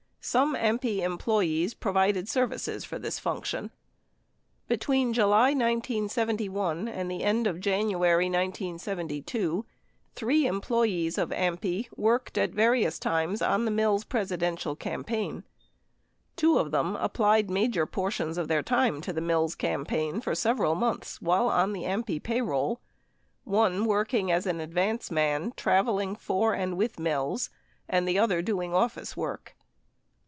Some AMPI employees provided services for this function. Between July 1971, and the end of January 1972, three employees of AMPI worked at various times on the Mills Presidential campaign. Two of them applied major portions of their time to the Mills cam paign for several months while on the AMPI payroll; one working as an advance man traveling for and with Mills, and the other doing office work.